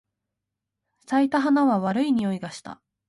咲いた花は悪い匂いがした。